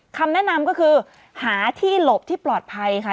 คำแนะนำก็คือหาที่หลบที่ปลอดภัยค่ะ